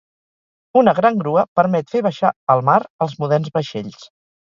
Una gran grua permet fer baixar al mar els moderns vaixells